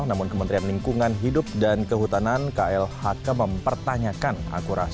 namun kementerian lingkungan hidup dan kehutanan klhk mempertanyakan akurasi